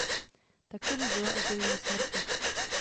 Tak tomu bylo až do její smrti.